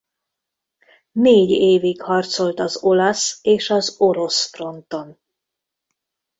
Négy évig harcolt az olasz és az orosz fronton.